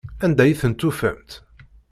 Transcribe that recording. Anda i ten-tufamt?